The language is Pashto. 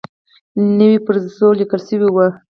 نو پرې ځو لیکل شوي وو.